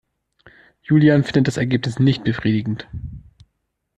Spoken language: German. Julian findet das Ergebnis nicht befriedigend.